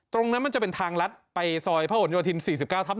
ตรงนั้นมันจะเป็นทางลัดไปซอยพระหลโยธิน๔๙ทับ๑